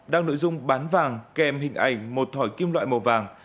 đang nội dung bán vàng kèm hình ảnh một thỏi kim loại màu vàng